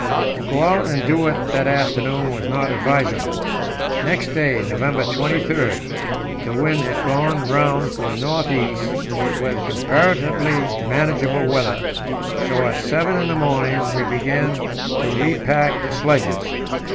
To go out and do it that afternoon was not advisable. Next day, November 23, the wind had gone round to the north east, with comparatively manageable weather, so at seven in the morning we began to repack the sledges.